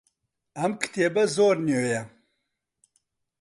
ئەم کتێبە زۆر نوێیە.